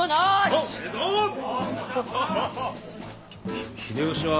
ひ秀吉は。